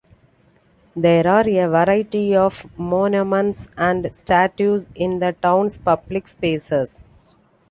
There are a variety of monuments and statues in the town's public spaces.